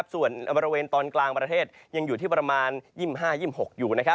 ส่วนบริเวณตอนกลางประเทศยังอยู่ที่ประมาณ๒๕๒๖อยู่